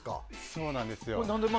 そうなんですよ。